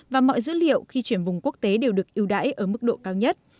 và mọi dữ liệu khi chuyển vùng quốc tế đều được ưu đãi ở mức độ cao nhất